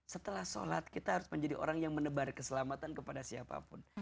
setelah sholat kita harus menjadi orang yang menebar keselamatan kepada siapapun